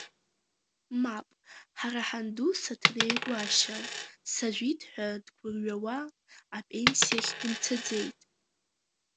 Мап, ҳара ҳанду Саҭанеи Гәашьа, сажәит ҳәа дгәырҩауа, апенсиахь дымцаӡеит.